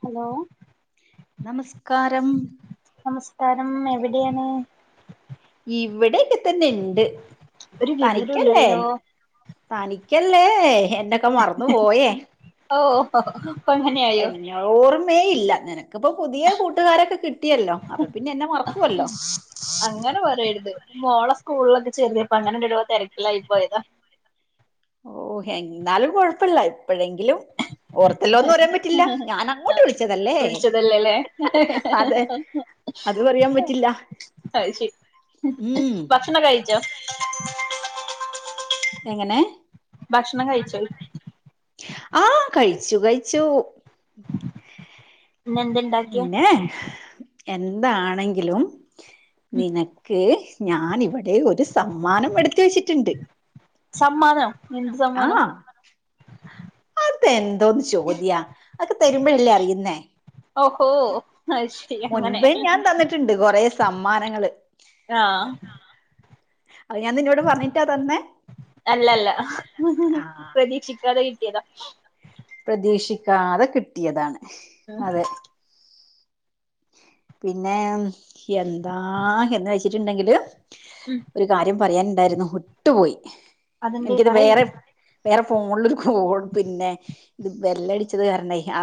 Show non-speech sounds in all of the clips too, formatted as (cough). Hello നമസ്കാരം നമസ്കാരം എവിടെയാണ് ഇവിടെക്കെ തന്നെ ഇണ്ട് ഒരു തനിക്കല്ലേ വിവരൂല്ലല്ലോ തനിക്കല്ലേ എന്നൊക്കെ മറ്ന്ന് പോയേ ഓഹ് എന്നെ ഓർമ്മേ ഇല്ല നിനക്ക്പ്പം പുതിയെ കൂട്ട്കാരൊക്കെ കിട്ടിയല്ലോ അപ്പോ പിന്നെ എന്നെ മറ ക്കുവല്ലോ അങ്ങനെ പറയര്ത് മോളെ സ്കൂൾലൊക്കെ ചേർത്തിയപ്പൊ അങ്ങനെന്തെരോ തെരക്കിലായ് പോയതാ ഓഹ് എന്നാലും കൊഴപ്പല്ല ഇപ്പഴെങ്കിലും ഓർത്തെല്ലോന്ന് പറയാൻ പറ്റില്ല ഞാനങ്ങോട്ട് വിളിച്ചതല്ലേ വിളിച്ചതല്ലേല്ലേ അതെ അത് പറയാൻ പറ്റില്ലാ അത് ശെരി ഭക്ഷണൊക്കെ കഴിച്ചോ എങ്ങെനെ ഭക്ഷണം കഴിച്ചോയ് ആഹ് കഴിച്ചു കഴിച്ചു ഇന്ന് എന്ത് ഇണ്ടാക്കിയെ പിന്നെ എന്താണെങ്കിലും നിനക്ക് ഞാൻ ഇവടെ ഒര് സമ്മാനം എട്ത്ത് വെച്ചിട്ട്ണ്ട് സമ്മാനം എന്ത് സമ്മാനം അത് എന്തോന്ന് ചോദ്യാ അതൊക്കെ തര്മ്പഴല്ലേ അറിയ്ന്നേ ഓഹോ അത് ശരി അങ്ങനെ മുൻപേ ഞാൻ തന്നിട്ടുണ്ട് കൊറെ സമ്മാനങ്ങൾ ആഹ് ആഹ് അല്ലല്ല ആഹ് പ്രതീക്ഷിക്കാതെ കിട്ടിയതാ പ്രതീക്ഷിക്കാതെ കിട്ടിയതാണ് ഉം അതേ പിന്നെ എന്താ എന്ന് വെച്ചിട്ടുണ്ടെങ്കില് ഉം ഒരു കാര്യം പറയാനുണ്ടായിരുന്നു വിട്ടുപോയി അതെന്തേ എനിക്കത് പറയ് വേറെ വേറെ ഫോണിൽ ഒരു കോൾ പിന്നെ ഇത് ബെല്ലടിച്ചത് കാരണേ ആ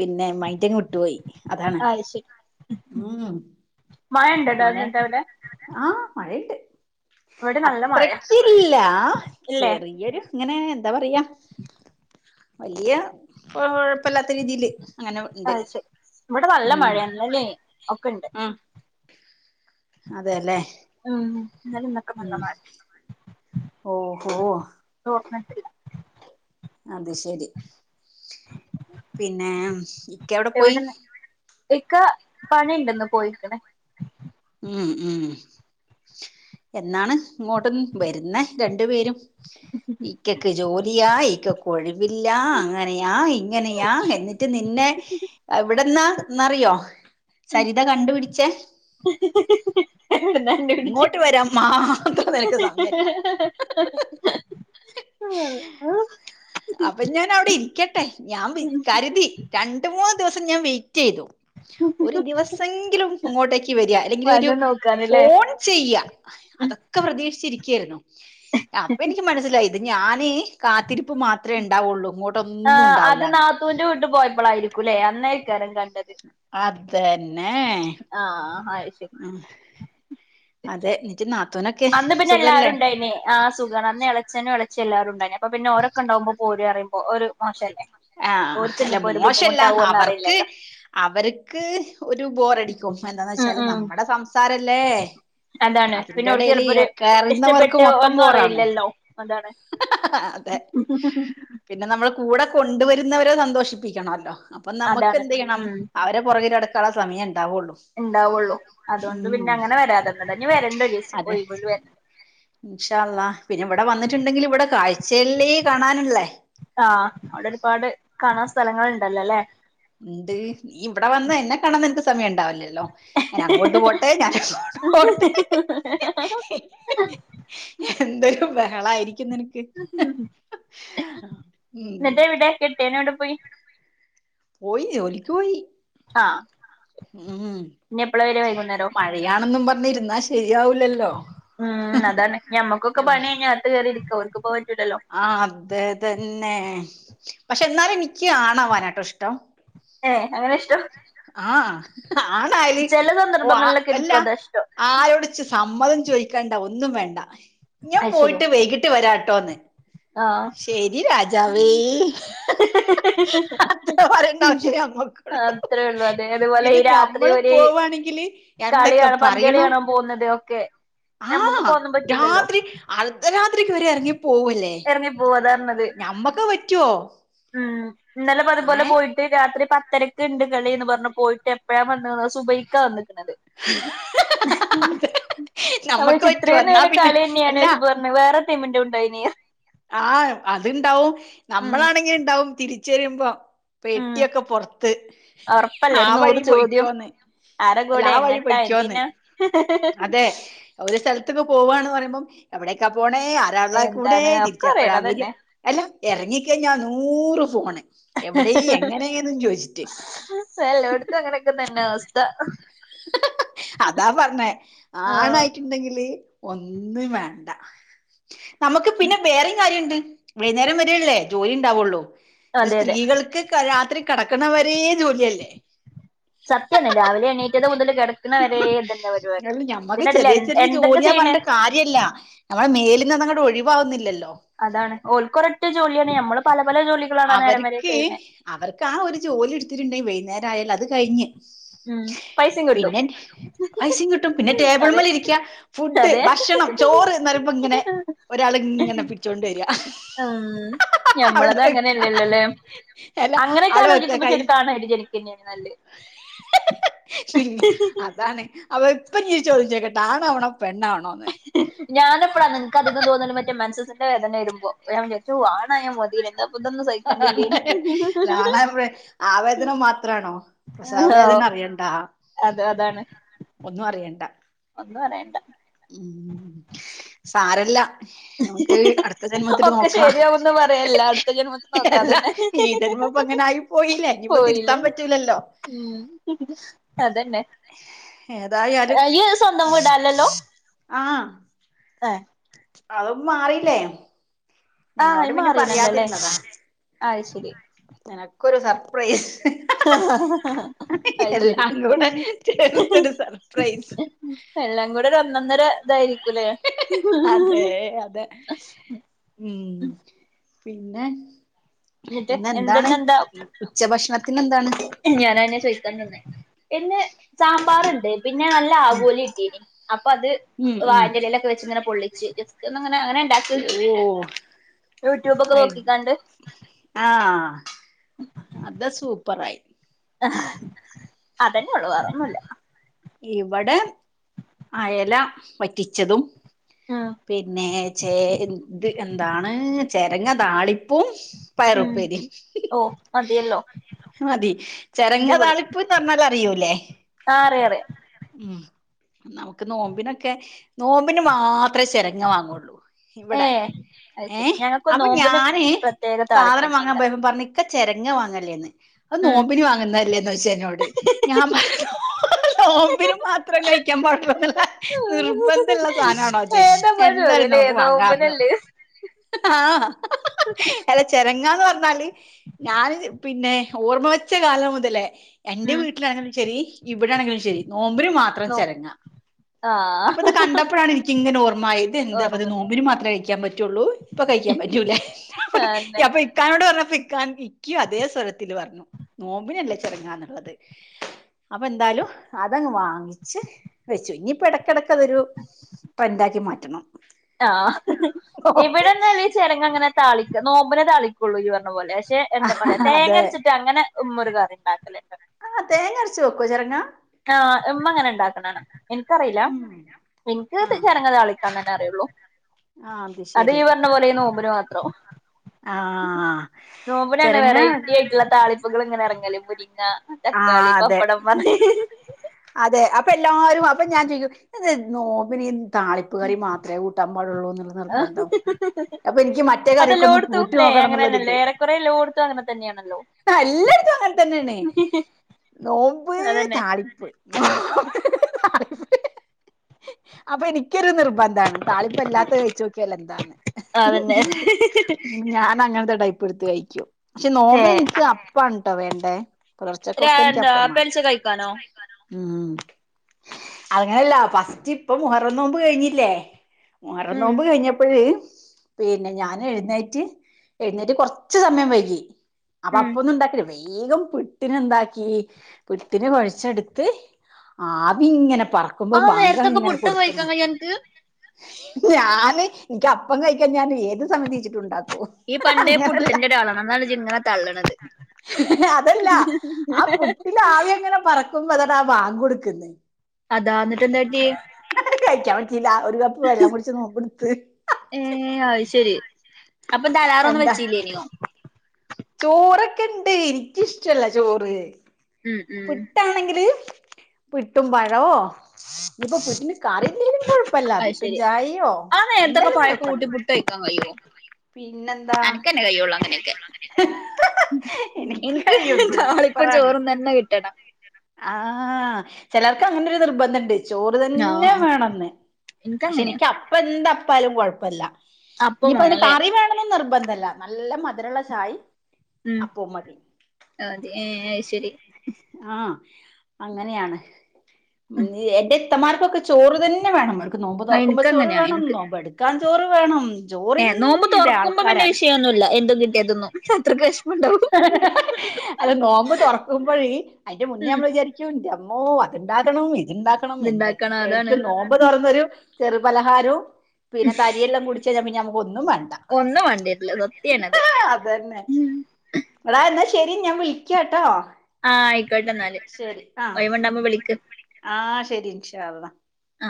പിന്നെ മൈൻഡ് അങ്ങ് വിട്ടുപോയി അതാണ് ശെ ഉം മഴ ഉണ്ടെ ഡാ എന്നട്ട് അവിടെ ആഹ മഴണ്ട് ഇവിടെ നല്ല മഴയാ അത്രക്കില്ല ഇല്ലേ ചെറിയൊരു ഇങ്ങനെ എന്താ പറയാ വലിയ കൊഴപ്പല്ലാത്ത രീതിയില് അങ്ങനെ ഉണ്ട് അത് ശരി ഇവിടെ നല്ല ഉം മഴയന്നല്ലേ ഒക്കെ ഇണ്ട് ആഹ് അതെല്ലേ ഉം ഇന്നലെ ഇന്നൊക്കെ ഉം നല്ല മഴ ഓഹോ തോർന്നിട്ടില്ല അത് ശരി പിന്നെ ഇക്ക എവിടെ പോയി ഇക്കാ പണി ഉണ്ട് ഇന്ന് പോയിക്ക്‌ണ് ഉം ഉം എന്നാണ് ഇങ്ങോട്ടൊന്ന് വരുന്നെ രണ്ടു പേരും ഇക്കക്ക് ജോലിയാ ഇക്കക്ക്‌ ഒഴിവില്ല അങ്ങനെയാ ഇ ങ്ങനെയാ എന്നിട്ട് നിന്നെ എവിടന്നാ എന്നറിയോ സരിത കണ്ടുപിടിച്ചേ എന്നോടെ നന്ന പിടിച്ച ഇങ്ങോട്ട് വരാൻ മാത്രം നിനക്ക് സമയല്ല (unintelligible) ഉ (inaudible) അപ്പൊ ഞാൻ അവിടെ ഇരിക്കട്ടെ ഞാൻ കരുതി രണ്ട് മൂന്ന് ദിവസം ഞാൻ വെയിറ്റ് ചെയ്തു ഒരു ദിവസെങ്കിലും ഇങ്ങോട്ടേക്ക് വരിക അല്ലെങ്കിൽ ഒരു വന്ന് നോക്കാനല്ലേ ഫോൺ ചെയ്യാ അതൊക്കെ പ്രതീക്ഷിച്ചിരിക്കായിരുന്നു അപ്പൊ എനിക്ക് മനസ്സിലായി ഞാന് കാത്തിരിപ്പ് മാത്രമേ ഉണ്ടാവുള്ളൂ ഇങ്ങോട്ട് ആ അത് നാത്തൂന്റെ വീട്ട് പോയപ്പോളായിരിക്കുംല്ലേ അന്നായിക്കാരം കണ്ടത് അതന്നെ ആഹ ആ ശരി ആ അതെ എൻ്റെ നാത്തൂനൊക്കെ സുഖല്ലേ ആഹ സുഖമാണ് അന്ന് ഇളച്ചനും ഇളചിയ്യും എല്ലാരും ഉണ്ടായി അപ്പ പിന്നെ ഓലോ ഒക്കെ ഉണ്ടാകുമ്പോ പോര് പറുമ്പോ ഒരു മോശലെ ആഹ് അല്ല മോശല്ല അവർക്ക് അറിയില്ലല്ലോ അവർക്ക് ഒരു ബോറടിക്കും എന്താന്ന് ഉം വെച്ചാല് ഉം നമ്മുടെ സംസാരല്ലേ അതാണ് പിന്നെ ഓർക്ക് അതിന്റെടയിൽ ചിലപ്പോ ഒരു കറിയുന്നവർക്ക് ഇഷ്ടപ്പെട്ട് മൊത്തം ഒന്നും പോറാണ് അറിയില്ലല്ലോ അതാണ് അതെ പിന്നെ നമ്മൾ കൂടെ കൊണ്ടുവരുന്നവരെ സന്തോഷിപ്പിക്കണല്ലോ അപ്പൊ നമുക്ക് അതാണ് എന്ത് ചെയ്യണം ഉം അവ ന്റെ പുറകെ നടക്കാൻ ഉള്ള സമയ ഉണ്ടാവുള്ളു. ഉണ്ടാവുള്ളൂ അതുകൊണ്ട് ഉം പിന്നെ അങ്ങനെ വരാതന്നതാ ഇനി വരണ്ട് ഒരു ദിവസം ഒയിവിന് ഇഷാ അള്ളാ പിന്നെ ഇവിടെ വന്നിട്ടുണ്ടെങ്കിൽ ഇവിടെ കാഴ്ചല്ലെ കാണാനുള്ളേ ആഹ് അവിടെ ഒരുപാട് കാണാൻ സ്ഥലങ്ങൾ ഉണ്ടല്ലോല്ലെ? ഉണ്ട് ഇവിടെ വന്ന് എന്നെ കാണാൻ നിനക്ക് സമയം ഉണ്ടാവില്ലല്ലോ? ഞാൻ അങ്ങോട്ട് പോട്ടെ ഞാൻ ഇങ്ങുട്ട് പോട്ടെ എന്തൊരു ബഹളായിരിക്കുന്നെ ഉം എന്നിട്ട് (inaudible) എവിടെ കെട്ടിയോൻ എവിടെ പോയി പോയി ജോലിക്ക് പോയി ആഹ് ഉം ഇനി എപ്പളാ വരാ വൈകുന്നേരോ മഴയാണെന്നും പറഞ്ഞിര്ന്നാ ശരിയാവൂലല് ഉം അതാണ് ഞമ്മക്കൊക്കെ പണ്യയ്ഞ്ഞാ അകത്ത് കേറിരിക്ക ഓല്ക്ക്പ്പോ അത് പറ്റൂലല്ലോ ആഹ് അതെ അതന്നെ പക്ഷെ എന്നാലും എനിക്ക് ആണാവാനാട്ടോ ഇഷ്ടം ഏഹ് അങ്ങനെ ഇഷ്ട്ടം ആഹ് ആണായല് ചെല ഓ ആ സന്ദർഭങ്ങളിലൊക്കെ അല്ല എനിക്കും അതാ ഇഷ്ടം ആരോട് ഇച്ച് സമ്മതം ചോയിക്കണ്ട ഒന്നും വേണ്ട ഞാൻ അത് ശരിയാ പോയിട്ട് വൈകിട്ട് വരാട്ടോന്ന് ആഹ് ശരി രാജാവേ അത് പറയേണ്ട ആവശ്യേ നമ്മക്കൊള്ളൂ അത്രേ ഉള്ളൂ അതെ അതുപോലെ ഇത് ഞമ്മള് പോവാണെങ്കില് എന്തൊക്കെ കളിയാണാ പന്തളി പറയണം കാണാ പോവുന്നത് ഒക്കെ ആഹ് ഞമ്മക്ക്പ്പോ അതോന്നും പറ്റൂലല്ലോ രാത്രി അർദ്ധരാത്രിക്ക് വരെ എറങ്ങി പോവല്ലേ എറങ്ങിപ്പോവാ അതെ ഞമ്മക്ക് പറ്റൊ ഇന്നലെ അത്പോലെ പോയിട്ട് രാത്രി പത്തരക്ക്ണ്ട് കളിന്ന് പറഞ്ഞ് പോയിട്ട് എപ്പഴാ വന്നത്ന്നോ സുബഹി ക്കാ വന്ന്ക്ക്ണത് അത് അപ്പൊ നമ്മക്ക് ഇത്ര പറ്റുവോ എന്നാ നേരം പിന്നെ അല്ല കളിന്ന്യാണോയിച്ചപ്പോ പറഞ്ഞ് വേറെ ടീമിന്റുണ്ടായിനി ആഹ് അത്ണ്ടാവും ഉം നമ്മളാണെങ്കി ഇണ്ടാവും തിരിച്ച് വരുമ്പോ ഉം പെട്ട്യോക്കെ പൊറത്ത് ഒറപ്പല്ലേ ആ ഒരു നൂറ് വഴി ചോദ്യം പോയ്ക്കോന്ന് ആരെ അല്ല കൂടെ ആ വഴി എങ്ങട്ടാ പൊയിക്കോന്ന് എന്തിനാ അതെ ഒരു സ്ഥലത്ത്ക്ക് പോവന്ന് പറയുമ്പം എവിടേക്കാ പോണേ ആരാള്ള കൂടെ എന്താണ് ഒക്കെ തിരിച്ച് എപ്പഴാ വെരാ അറിയണതന്നെ അല്ല എറങ്ങി കാഴിഞ്ഞാ നൂറ് ഫോണ് എവിടെ എങ്ങനെന്നു ചോയിച്ചിട്ട് എല്ലോട്ത്തും അങ്ങനെക്കെ തന്നെ അവസ്ഥ അതാ പറഞ്ഞേ ആഹ് ആണായിട്ട്ണ്ടെങ്കില് ഒന്നും വേണ്ട നമക്ക് പിന്നെ വേറേം കാര്യണ്ട് വൈന്നേരം വരെല്ലേ ജോലിണ്ടാവൊള്ളൂ ഇത് അതെ അതെ സ്ത്രീകൾക്ക് രാത്രി കെടക്കണവരേം ജോല്യല്ലേ സത്യാണ് രാവിലെ എണീ റ്റത് മുതല് കെടക്ക്ണ വരെ ഇതന്നെ പരിപാടി അല്ല ഇതിനെടേല് എ എന്തൊക്കെ ചെയ്യ്ണെ ഇല്ല്യല്ല നമ്മളെ മേല്ന്നതങ്ങ് ഒഴിവാവ്ന്നില്ലല്ലോ അതാണ് ഓൽക്കൊരൊറ്റ ജോല്യാണ് ഞമ്മള് പല പല ജോലികളാണ് ആ നേരം വരെ അവർക്ക് ചെയ്യ്ണെ അവർക്ക് ആ ഒരു ജോലി എട്ത്തിട്ട്ണ്ടെങ്കില് വൈന്നേരായാല് അത് കയിഞ്ഞ് ഉം പൈസയും കിട്ടും പിന്നെ പൈസിം കിട്ടും പിന്നെ അതെ ടേബിള്മ്മല് ഇരിക്കാ ഫുഡ് അതെ ഭക്ഷണം ചോറ്ന്ന്റിമ്പോ ഇങ്ങനെ ഒരാള് ഇങ്ങനെ പിടിച്ചോണ്ട് വെര ഉം ഞമ്മളത് അങ്ങനെ ലല്ലോലേ അല്ല അങ്ങനെക്കെ അവിടെ ആലോചിക്കുമ്പോ ശരിക്ക് ആണായിട്ട് ജനിക്ക്ന്യ നല്ലത് ശെരി അതാണ് അപ്പൊ ഇപ്പഞ്ഞ് ഈ ചോദ്യം ചോയ്ക്കട്ടെ ആണാവണോ പെണ്ണാവണോന്ന് ഞാന് എപ്പഴാ എനിക്ക് അധികം തോന്നല് മറ്റേ മെൻസസിന്റെ വേദന വരുമ്പോ ഞാന് വിചാരിച്ചും ആണായാ മതേനു ആണായ അല്ല ആണാവുമ്പളെ ആ വേദന മാത്രാണോ പ്രസവ വേദന അറിയണ്ടാ അതെ അതാണ് ഒന്നും അറിയണ്ട ഒന്നു അറിയണ്ട ഉം സാരല്ല ഞമ്മക്ക് അട്ത്ത ജന്മത്തില് ഒക്കെ നോക്കാം ശരിയാവുന്ന് പറയല്ല അടുത്ത ജന്മത്തിൽ എല്ല നോക്കാതന്നെ ഈ ജൻമം ഇപ്പൊ അങ്ങനെ ആയി പോയില്ലേ ഇനിയിപ്പോ പോയില്ലേ തിര്ത്താൻ പറ്റൂലല്ലോ ഉം അതെന്നെ ഏതായാലും വീടാല്ലല്ലോ ആഹ് ഏഹ് അതപ്പോ മാറില്ലേ? ആഹ് അത് മാറീണല്ലോല്ലേ ആയ് ശരി നിനക്കൊരു സർപ്രൈസ് അയ് ശരി എല്ലാം കൂടെ ചേർത്തൊരു സർപ്രൈസ് എല്ലാം കൂടെ ഒരു ഒന്നൊന്നര ഇതായിരിക്കൂലേ? അതെ അതെ ഉം പിന്നെ എന്നിട്ട് പിന്നെന്താണ് എന്തെന്നെന്താ ഉച്ചഭക്ഷണത്തിന് എന്താണ്? ഞാനയ്നന്നെ ചോയ് ഇന്ന് സാമ്പാറിണ്ട് പിന്നെ നല്ല ആവോലി കിട്ടീനി അപ്പൊ അത് ഉം ഉം വാഴേൻ്റെ എലേലൊക്കെ വെച്ച് ഇങ്ങനെ പൊള്ളിച്ച് ജസ്റ്റ് ജസ്റ്റ് ഒന്നങ്ങനെ അങ്ങനെ ഉണ്ടാക്കി നോക്കി ഓ യൂട്യൂബ് ഒക്കെ അട് നോക്കിക്കണ്ട് ആഹ് അത് സൂപ്പറായി അതന്നെ ഉള്ളൂ വേറൊന്നൂല ഇവടെ അയല വറ്റിച്ചതും ആഹ് പിന്നെ ചേ എന്താണ് ചെരങ്ങ താളിപ്പും ഉം പയറുപ്പേരീം ഓ മതിയല്ലോ മതി ചരങ്ങ അടിപൊളി താളിപ്പ് ന്ന് പറഞ്ഞാല് അത യൂലേ ആ അറിയാ അറിയാ ഉം നമുക്ക് നോമ്പിനൊക്കെ നോമ്പിന് മാത്രേ ചെരങ്ങ വാങ്ങുള്ളൂ ഏ ഇവിടെ അത് ശരി ഏഹ് ഞങ്ങൾക്ക് അപ്പൊ നോമ്പിന് ഞാന് പ്രത്യേക സാധനം വാങ്ങാ താളിപ്പന്നേക്കാരം പോയപ്പ പറഞ്ഞ ക്ക ചെരങ്ങ വാങ്ങലേന്ന് അത് ഉം നോമ്പിന് വാങ്ങുന്നതല്ലേന്ന് ചോയ്ച്ച് എന്നോട് ഞാൻ പറ നോ നോമ്പിന് മാത്രം കഴിക്കാൻ പാടൊന്നുള്ള നിർബന്ധള്ള സാനണോ അത് ഏതാപ്പ എന്തായാലും ചോദ്യല്ലേ നമുക്കു വാങ്ങാറഞ്ഞു നോമ്പിനല്ലേ ആഹ് അല്ല ചെരങ്ങാന്ന് പറഞ്ഞാല് ഞാനിത് പിന്നെ ഓർമ്മ വെച്ച കാലം മുതലെ എന്റെ ഉം വീട്ട ആണെങ്കിലും ശെരി ഇവിടെ ആണെങ്കിലുംശെരി നോമ്പിന് മാത്രം നോ ചെരങ്ങ ആഹ് അപ്പൊ ഇത് കണ്ടപ്പോഴാണ് എനിക്കിങ്ങനെ ഓർമ്മ ആയത് ഇത് എന്താന്തപ്പത് ഓർമ്മ നോ നോമ്പിന് മാത്രമേ കഴിക്കാൻ പറ്റുള്ളൂ ഇപ്പൊ കഴിക്കാൻ പറ്റൂല അന്നെ അപ്പൊ ഇക്കാനോട് പറഞ്ഞപ്പ ഇക്ക ഇക്കയും അതേ സ്വരത്തില് പറഞ്ഞു നോമ്പിനല്ലേ ചോരങ്ങാന്നുള്ളത് അപ്പൊ എന്തായാലും അതങ്ങ് വാങ്ങിച്ച് വെച്ചു ഇനിയിപ്പ എടക്കെടക്ക് അതൊരു ട്രൻ്റാക്കി മാറ്റണം ആ ഹ് ഓ ഇവിടെന്നല്ല ചെരങ്ങങ്ങനെ താളിക്ക നോമ്പിനെ താളിക്കുള്ളൂ യ് പറഞ്ഞ പോലെ പക്ഷെ എന്താ പറയാ അതെ തേങ്ങരച്ചിട്ട് അങ്ങനെ ഉമ്മ ഒരുകറി ണ്ടാക്കലിണ്ട് ആ തേങ്ങ അരച് വെക്കോ ചെരങ്ങാ ആഹ് ഉമ്മ അങ്ങനെ ണ്ടാക്കണക്കാണ എനിക്കറിയില്ല ഉം ആ എനക്ക്ത് ചെരങ്ങ താളിക്കാൻ തന്നെ അറിയുള്ളൂ ആ അത് ശരി ഇവ അർണപോലെ നോമ്പിന് മാത്രം ആ നോമ്പിനെന്നെ ചെരങ്ങ വെറൈറ്റിടിയായി റ്റ്ള്ള താളിപ്പുകൾ ഇങ്ങനെ ഇറങ്ങൽ മുരിങ്ങ ആ തക്കാളി അതെ പപ്പടം മ അതെ അപ്പൊ എല്ലാരും അപ്പൊ ഞാൻ ചോദിക്കു ദെന്താ നോമ്പിന് താളിപ്പ് കറി മാത്രമേ കൂട്ടാൻ പാടുള്ളൂന്നു നിർബന്ധം അപ്പൊ എനിക്ക് മറ്റേ കറിയൊക്കെ ഒന്ന് കൂ ലേ അങ്ങന തന്നെയല്ലേ ഏറെേ കൊറേ ലോടുത്തും അങ്ങനെ തന്നെയാണല്ലോ എല്ലായിടും അങ്ങനെ തന്നെയണേ നോമ്പ് അതന്നെ താളിപ്പ് അപ്പൊ എനിക്കൊരു നിർബന്താണ് താളിപ്പല്ലാത്ത കഴിചോക്കിയാൽ എന്താന്ന് അതന്നെ ഞാനങ്ങനത്തെടയ് ടുത്ത് കഴിക്കൂ പക്ഷെ നോമ്പിന് ഏഹ് എനിക്ക് അപ്പണ്ട്ടോ വേണ്ടേ പുലർച്ചക്കൊക്കെ (unintelligible) പെലിച്ച കഴിക്കാനോ മ് അങ്ങനെയല്ല ഫസ്റ്റ് ഇപ്പ മുഹറം നോമ്പ് കഴിഞ്ഞില്ലേ മുഹറം ഉം നോമ്പ് കഴിഞ്ഞപ്പോഴ് പിന്നെ ഞാൻ എഴുന്നേറ്റ് എഴുന്നേറ്റ് കുറച് സമയം വൈകി അപ്പൊ ഉം അപ്പോന്നും ഉണ്ടാക്കില്ല വേ വേഗം പുട്ടിനെന്താക്കി പുട്ടിനു കുഴച്ചെടു ത്ത് ആവി ഇങ്ങനെ പറക്കുമ്പോ ആ നേരത്തൊക്കെ ബാങ്കങ്ങനെ പുട്ട് കഴിക്കാൻ കൊടുക്കുന്ന് കഴിയോ അൻക്ക് ഞാന് നിക് അപ്പം കഴിക്കാൻ ഞാൻ ഏത് സമയതിച്ചിട്ടുണ്ടാ ഈ പണ്ടേ പുട്ട്ന്റെരാളാണ്എന്നാണ് ജിങ്ങനെ തള്ളണത് അതല്ല ആ പുട്ടില് ആവി അങ്ങനെ പറക്കുമ്പോ അതാടെ ആ ബാങ്ക് കൊടുക്കുന്നത് അതാ ന്ന് കഴിക്കാൻ പറ്റില്ല ഒരു കപ്പ് വെള്ളം കുടിച്ച് നോമ്പ് എടുത്ത് ഏ അത് ശരി അപ്പന്താ അലാറം വെച്ചല്ലേനിയോ ചോറൊക്കെണ്ട് എനിക്കിഷ്ടല്ല ചോറ് ഉം ഉം പിട്ടാണെങ്കില് പിട്ടും പഴോ നീപ്പോ പിട്ടിന് കറി എന്തേലും കൊഴപ്പല്ല അത് പുട്ടും ശെരി ചായയോ ആ നേരത്തൊക്കെ എന്തായാലും പഴൊക്കെ കൊഴപ്പല്ല കൂട്ടി പുട്ട് കഴിക്കാൻ കഴിയോ പിന്നെന്താ അനക്കന്നെ കഴിയൊള്ളു അങ്ങനെക്കെ എനിക്ക് താളിപ്പും ചോറും തന്നെ കിട്ടണം ആഹ ചിലർക്കങ്ങനെ ഒരു നിർബന്ധുണ്ട് ചോറ് തന്നെ ആഹ് വേണംന്ന് പക്ഷെ ഇൻക്കങ്ങനെയാ എനിക്ക് അപ്പ എന്താപ്പാലും കൊഴപ്പില്ല അപ്പം ഇനിപ്പോ അതിന് വാണല്ലേ കറി വേണംന്ന് നിർബന്ധല്ല നല്ല മധുരള്ള ചായ മ് അതെ ഏ അത് ശരി ആഹ് അങ്ങനെയാണ് എന്റെ ഇത്തമാർകൊക്കെ ചോറ് തന്നെ വേണം അവർക്ക് നോമ്പ് ആ തുറക്കുമ്പോ ചോറ് എനിക്കങ്ങനെയാ വേണം എനിക്ക് നോമ്പെടു ടുക്കാൻ ചോറ് വേണം ചോറിന്റെ ആൾക്കാരാണ് ഒന്നുല്ല എന്തും കിട്ടിയാൽ തിന്നും നികത്റെക് വിശപ്പ് ഹ് ഹ ഹ അത് നോമ്പ് തുറക്കുമ്പോഴ് അതിന്റെ മുന്നേ ഉം നമ്മൾ വിചാരിക്ക അയ്യോ ൻ്റമ്മോ അത്ണ്ടാക്കണം ഇത്ണ്ടാക്കണം ഇത്ണ്ടാക്കണം എന്തൊക്കെയ അതാണ് ആയിരിക്കും നോ മ്പ് തൊറന്നൊരു ചെറുപലഹാരവും പിന്നെ തരിയെല്ലാം കുടിച്ചയിഞ പിന്നെ നമക്ക് ഒന്നും വേണ്ട ഒന്നും വേണ്ടിവരില്ല സത്യാണത് അതന്നെ ഹ് ഹ ഉം അടാ ന്നാ ശെരി ഞാൻ വിളിക്ക ട്ടോ ആഹ് ആയിക്കോട്ടന്നാല് ഒയ് വുണ്ടാവുമ്പോ വിളിക്ക് ആഹ ശരി ഇൻഷാള്ളാ ആ